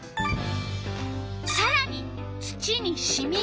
さらに「土にしみこむ」。